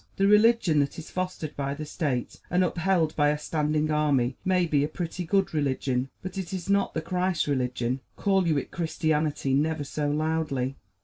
The religion that is fostered by the State and upheld by a standing army may be a pretty good religion, but it is not the Christ religion, call you it "Christianity" never so loudly.